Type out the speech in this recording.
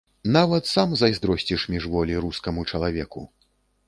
Нават сам зайздросціш міжволі рускаму чалавеку.